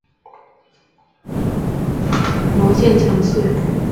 隆线强蟹为长脚蟹科强蟹属的动物。